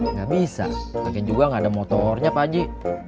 nggak bisa makanya juga nggak ada motornya pak haji